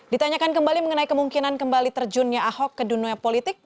ditanyakan kembali mengenai kemungkinan kembali terjunnya ahok ke dunia politik